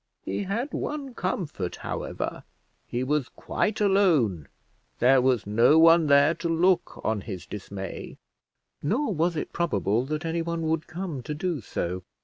He had one comfort, however: he was quite alone; there was no one there to look on his dismay; nor was it probable that anyone would come to do so.